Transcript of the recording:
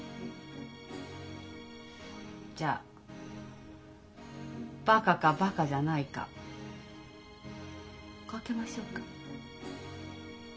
じゃあバカかバカじゃないか賭けましょうか？